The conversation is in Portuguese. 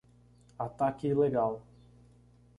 Ataque ilegal